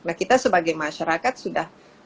nah kita sebagai masyarakat sudah